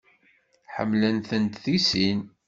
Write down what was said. Ḥemmlent-tent deg sin.